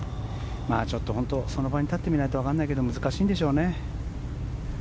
その場に立ってみないとわからないけど難しいんでしょうね。